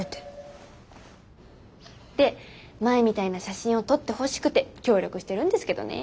で前みたいな写真を撮ってほしくて協力してるんですけどねー。